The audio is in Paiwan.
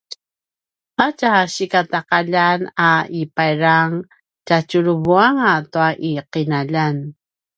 a tja sikata’aljan a i payrayrang tjatjuruvuanga tua i ’inaljan